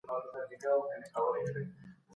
د چا حق په ناحقه مه اخلئ.